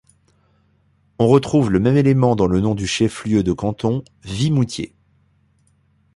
On retrouve le même élément dans le nom du chef-lieu de canton, Vimoutiers.